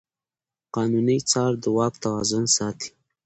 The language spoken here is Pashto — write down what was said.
قانوني څار د واک توازن ساتي.